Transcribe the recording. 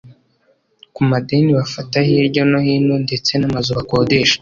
ku madeni bafata hirya no hino ndetse n’amazu bakodesha